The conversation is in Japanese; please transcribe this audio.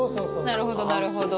なるほどなるほど。